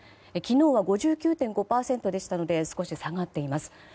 昨日は５９．５％でしたので少し下がっています。